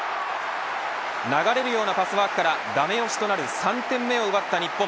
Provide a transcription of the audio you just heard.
流れるようなパスワークからダメ押しとなる３点目を奪った日本。